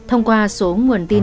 thông qua số nguồn tin